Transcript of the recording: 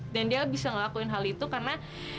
dia bisa ngelakuin hal itu karena